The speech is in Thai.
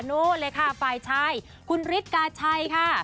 โน้นเลยค่ะไฟล์ชัยคุณฤทธิ์กาชัยค่ะ